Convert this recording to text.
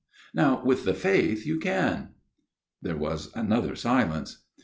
Now with the faith you can." There was another silence.